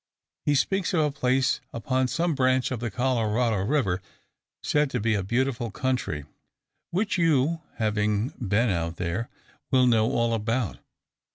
He speaks of a place upon some branch of the Colorado River, said to be a beautiful country; which, you, having been out there, will know all about.